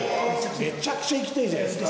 めちゃくちゃ行きたいじゃないですか